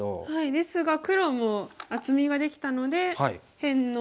ですが黒も厚みができたので辺のいいところに。